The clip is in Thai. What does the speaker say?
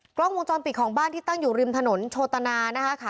กล้องวงจรปิดของบ้านที่ตั้งอยู่ริมถนนโชตนานะคะ